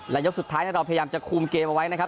และยกสุดท้ายเราพยายามจะคุมเกมเอาไว้นะครับ